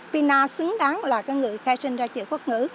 pina xứng đáng là cái người khai sinh ra chữ quốc ngữ